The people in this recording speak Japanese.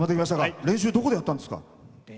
練習どこでやったんですか？